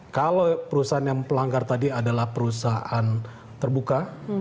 kalau perusahaan yang pelanggar tadi adalah perusahaan terbuka